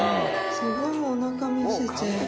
すごいおなか見せて。